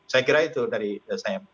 saya kira itu dari saya